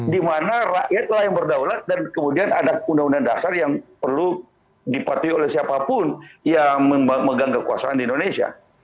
dimana rakyatlah yang berdaulat dan kemudian ada undang undang dasar yang perlu dipatuhi oleh siapapun yang memegang kekuasaan di indonesia